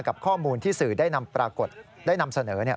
กับข้อมูลที่สื่อได้นำเสนอ